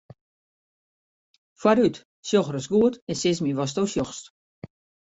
Foarút, sjoch ris goed en sis my watsto sjochst.